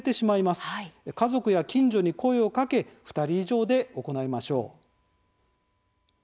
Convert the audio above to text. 家族や近所に声をかけ２人以上で行いましょう。